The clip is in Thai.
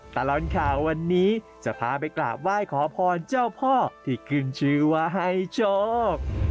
ตลอดข่าววันนี้จะพาไปกราบไหว้ขอพรเจ้าพ่อที่ขึ้นชื่อว่าให้โชค